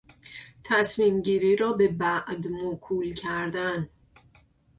تصمیمگیری را به بعد موکول کردن